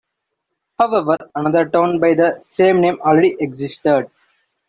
However, another town by the same name already existed.